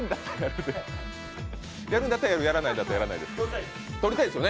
やるんだったらやる、やらないんだったらやらないです。